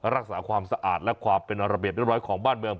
รักษาความสะอาดและความเป็นอบเรียบ